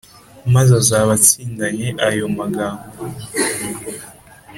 maze azabe atsindanye ayo magambo.